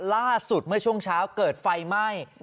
ล่าสุดเมื่อช่วงเช้าเกิดไฟไหม้